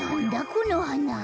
このはな。